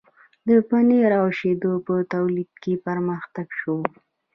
د پنیر او شیدو په تولید کې پرمختګ شو.